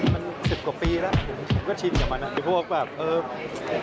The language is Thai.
มัน๑๐กว่าปีแล้วผมก็ชินกับมัน